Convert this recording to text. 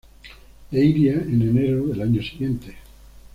Leiria en enero del año siguiente.